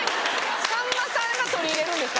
さんまさんが取り入れるんですか